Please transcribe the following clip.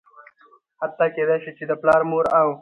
حتا کيدى شي چې د پلار ،مور او